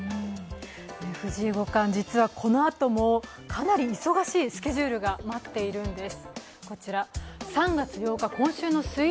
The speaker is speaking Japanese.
藤井五冠、実はこのあともかなり忙しいスケジュールが待っているんです。